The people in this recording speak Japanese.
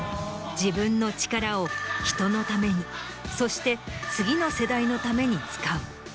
自分の力を人のためにそして次の世代のために使う。